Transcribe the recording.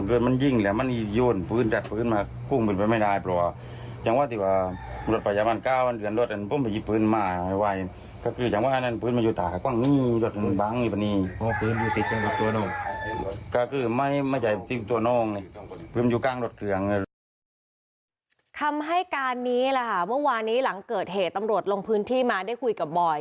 คำให้การนี้แหละค่ะเมื่อวานนี้หลังเกิดเหตุตำรวจลงพื้นที่มาได้คุยกับบอย